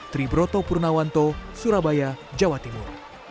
triburoto purnawanto surabaya jawa timur